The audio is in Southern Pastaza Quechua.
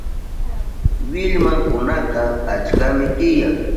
Willmankunaka achkami tiyan.